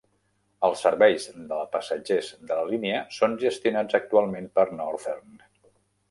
Els serveis de passatgers de la línia són gestionats actualment per Northern.